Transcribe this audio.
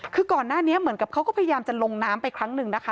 คือก่อนหน้านี้เหมือนกับเขาก็พยายามจะลงน้ำไปครั้งหนึ่งนะคะ